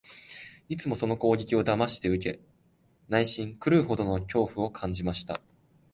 いつもその攻撃を黙して受け、内心、狂うほどの恐怖を感じました